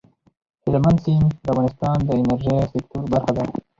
هلمند سیند د افغانستان د انرژۍ سکتور برخه ده.